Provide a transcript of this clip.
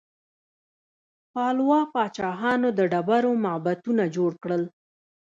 پالوا پاچاهانو د ډبرو معبدونه جوړ کړل.